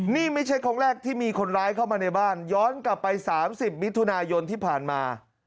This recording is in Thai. นี่ไม่ใช่ครั้งแรกที่มีคนร้ายเข้ามาในบ้านย้อนกลับไป๓๐มิถุนายนที่ผ่านมา